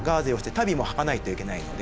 足袋もはかないといけないので。